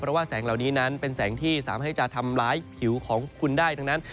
เพราะว่าแสงเหล่านี้นั้นเป็นแสงที่สามารถให้จะทำร้ายผิวของคุณได้ทั้งนั้น